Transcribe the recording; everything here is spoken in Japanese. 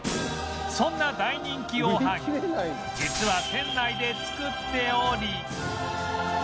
そんな大人気おはぎ実は店内で作っており